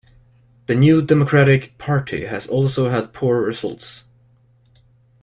The New Democratic Party has also had poor results.